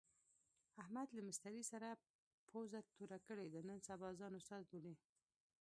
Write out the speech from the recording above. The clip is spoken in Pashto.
احمد له مستري سره پوزه توره کړې ده، نن سبا ځان استاد بولي.